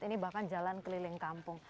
ini bahkan jalan keliling kampung